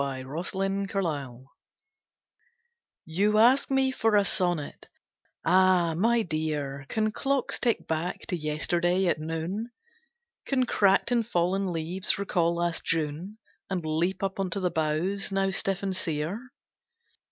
In Answer to a Request You ask me for a sonnet. Ah, my Dear, Can clocks tick back to yesterday at noon? Can cracked and fallen leaves recall last June And leap up on the boughs, now stiff and sere?